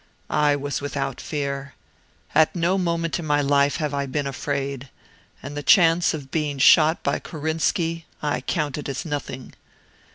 I was without fear. At no moment in my life have I been afraid; and the chance of being shot by Korinski I counted as nothing.